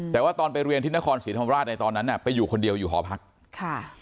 แต่ว่าตอนไปเรียนที่นครศรีธรรมราชในตอนนั้นน่ะไปอยู่คนเดียวอยู่หอพักค่ะ